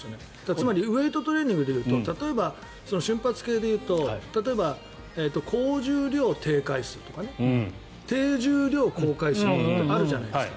つまりウェートトレーニングで言うと例えば瞬発系で言うと例えば、高重量低回数とか低重量高回数とかあるじゃないですか。